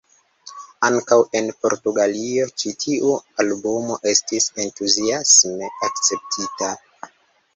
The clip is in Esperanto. Ankaŭ en Portugalio ĉi tiu albumo estis entuziasme akceptita.